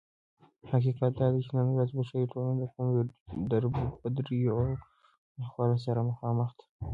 حقيقت دادى چې نن ورځ بشري ټولنه دكومو دربدريو او ناخوالو سره مخامخ ده